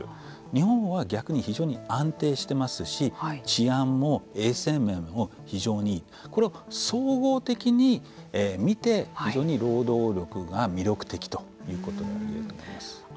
日本は逆に非常に安定していますし治安も衛生面もこれを総合的に見て、非常に労働力が魅力的ということが言えると思います。